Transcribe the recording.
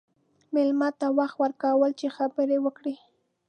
مېلمه ته وخت ورکړه چې خبرې وکړي.